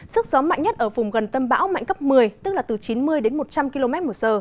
sức gió mạnh nhất ở vùng gần tâm bão mạnh cấp một mươi tức là từ chín mươi đến một trăm linh km một giờ